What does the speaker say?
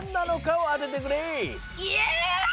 イエイ！